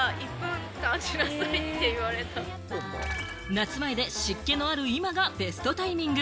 夏前で湿気のある今がベストタイミング。